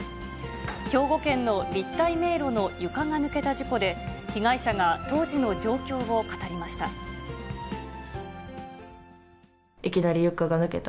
兵庫県の立体迷路の床が抜けた事故で被害者が当時の状況を語りました。